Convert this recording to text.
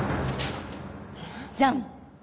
じゃん！